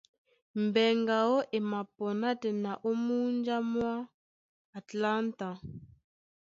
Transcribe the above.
Mbɛŋgɛ aó e mapɔ nátɛna ó múnja mwá Atlanta.